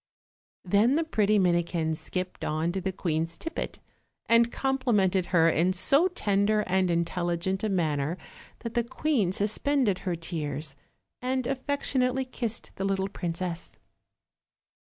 Then the pretty Minikin skipped on to the queen's tippet, and complimented her in so tender and intelligent a manner that the queen suspended her tears, and affec tionately kissed the little princess.